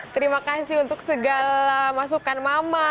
terima kasih untuk segala masukan mama